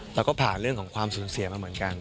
เราก็จะมีความรู้สึกเรื่องของความสูญเสียอยู่บ้างนะครับ